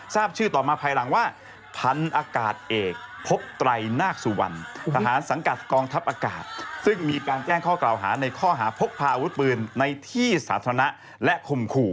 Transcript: แต่ปูพงศิษย์นั้นยังไม่ทันจะจับมือตอบโต้เลย